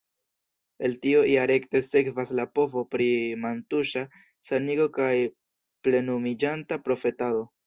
El tio ja rekte sekvas la povo pri mantuŝa sanigo kaj plenumiĝanta profetado.